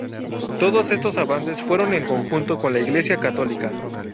Todos estos avances fueron en conjunto con la Iglesia Católica.